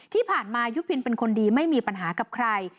ที่ผ่านมายุพินเป็นคนดีไม่มีปัญหากับใคร